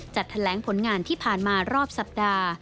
จัดแถลงผลงานที่ผ่านมารอบสัปดาห์